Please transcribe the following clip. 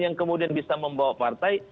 yang kemudian bisa membawa partai